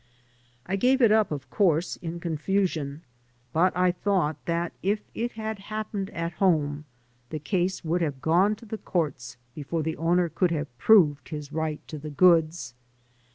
I gave it up, of course, in confusion, but I thou^t that if that had happened at hmne the case would have gone to the courts before the owner could have proved hisri|^t to the goods.